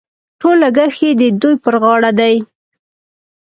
ټول لګښت یې د دوی پر غاړه دي.